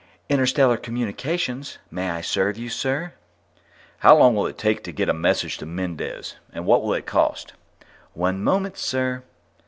"Interstellar Communications. May I serve you, sir?" "How long will it take to get a message to Mendez? And what will it cost?" "One moment, sir."